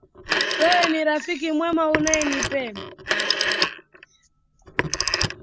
Wewe ni rafiki mwema unayenipenda.